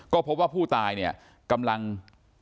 ก็พบว่าผู้ตายกำลังถ่ายรูปกับผู้ตาย